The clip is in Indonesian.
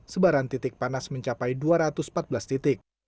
sebaran titik panas mencapai dua ratus empat belas titik